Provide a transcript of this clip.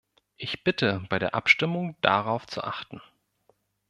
Ich bitte, bei der Abstimmung darauf zu achten.